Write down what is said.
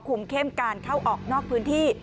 เข้มการเข้าออกนอกพื้นที่